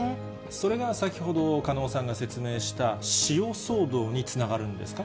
それが先ほど、加納さんが説明した塩騒動につながるんですか。